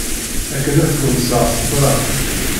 Akken ad twenseɣ s ṭlam.